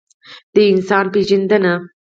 د انسان پېژندنه.